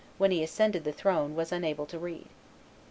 when he ascended the throne, was unable to read.